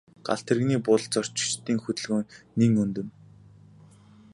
Галт тэрэгний буудалд зорчигчдын хөдөлгөөн нэн өнөр.